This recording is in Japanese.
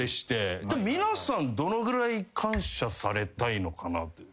皆さんどのぐらい感謝されたいのかなという。